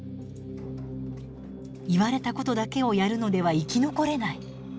言われたことだけをやるのでは生き残れない。